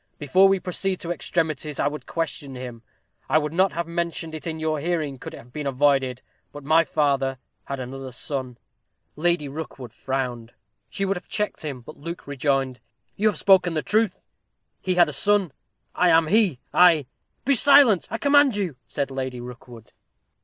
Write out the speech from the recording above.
Before we proceed to extremities, I would question him. I would not have mentioned it in your hearing could it have been avoided, but my father had another son." Lady Rookwood frowned. She would have checked him, but Luke rejoined "You have spoken the truth; he had a son I am he. I " "Be silent, I command you!" said Lady Rookwood.